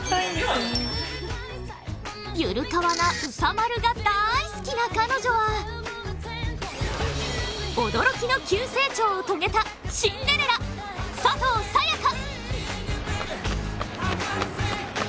ゆるかわなうさまるが大好きな彼女は驚きの急成長を遂げたシンデレラ佐藤早也伽。